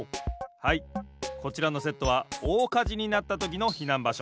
はいこちらのセットはおおかじになったときの避難場所。